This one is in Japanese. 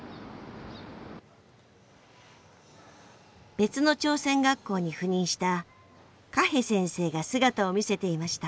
別の朝鮮学校に赴任したカヘ先生が姿を見せていました。